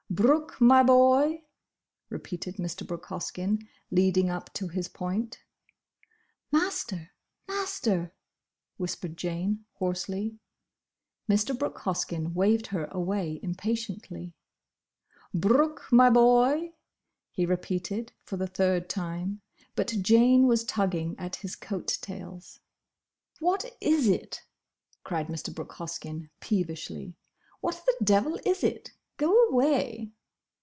"'Brooke, my boy'"—repeated Mr. Brooke Hoskyn, leading up to his point. "Master—! Master—!" whispered Jane, hoarsely. Mr. Brooke Hoskyn waved her away impatiently. "'Brooke, my boy—'" he repeated for the third time. But Jane was tugging at his coat tails. "What is it?" cried Mr. Brooke Hoskyn, peevishly. "What the devil is it? Go away!"